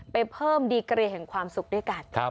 เพิ่มดีกรีแห่งความสุขด้วยกัน